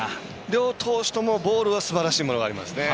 両投手ともボールはすばらしいものがありますね。